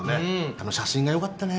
あの写真がよかったね。